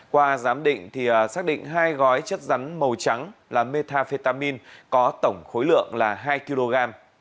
qua giám định xác định hai gói chất rắn màu trắng là metafetamin có tổng khối lượng là hai kg